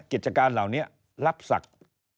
กิจการเหล่านี้รับศักดิ์